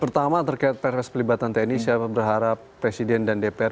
pertama terkait perpres pelibatan tni saya berharap presiden dan dpr